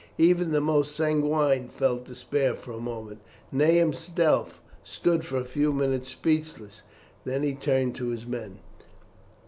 Even the most sanguine felt despair for a moment. Ney himself stood for a few minutes speechless, then he turned to his men.